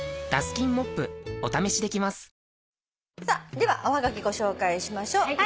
ではおはがきご紹介しましょう。